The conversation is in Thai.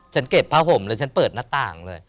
เก็บผ้าห่มเลยฉันเปิดหน้าต่างเลย